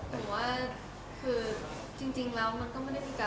หนูว่าคือจริงแล้วมันก็ไม่ได้มีการวางแผนอะไรที่สุดนะ